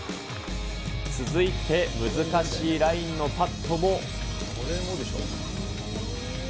続いて、難しいラインのパットも。